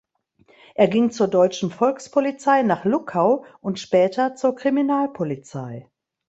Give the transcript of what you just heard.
Er ging zur Deutschen Volkspolizei nach Luckau und später zur Kriminalpolizei.